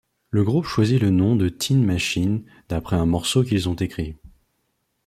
Le groupe choisit le nom de Tin Machine d'après un morceau qu'ils ont écrit.